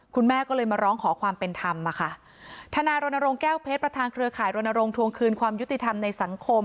คุณแม่ก็เลยมาร้องขอความเป็นธรรมอะค่ะทนายรณรงค์แก้วเพชรประธานเครือข่ายรณรงควงคืนความยุติธรรมในสังคม